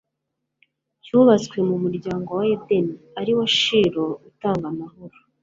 cyubatswe ku muryango wa Edeni, ariwe Shilo utanga amahoro.